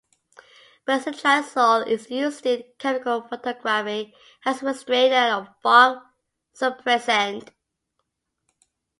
Benzotriazole is used in chemical photography as a restrainer and fog-suppressant.